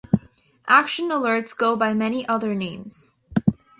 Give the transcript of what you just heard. Action alerts go by many other names.